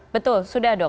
betul sudah dok